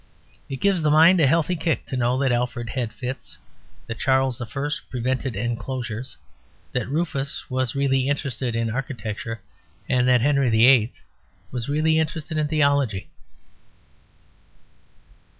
It gives the mind a healthy kick to know that Alfred had fits, that Charles I prevented enclosures, that Rufus was really interested in architecture, that Henry VIII was really interested in theology.